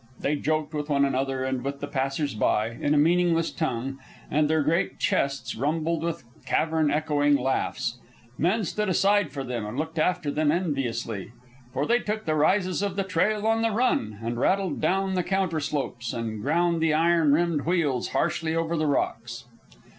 They joked with one another, and with the passers by, in a meaningless tongue, and their great chests rumbled with cavern echoing laughs. Men stood aside for them, and looked after them enviously; for they took the rises of the trail on the run, and rattled down the counter slopes, and ground the iron rimmed wheels harshly over the rocks.